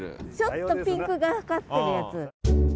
ちょっとピンクがかってるやつ。